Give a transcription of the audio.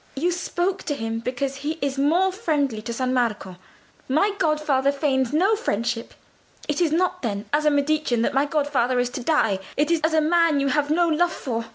You spoke for him because he is more friendly to San Marco; my godfather feigns no friendship. It is not, then, as a Medicean that my godfather is to die; it is as a man you have no love for!"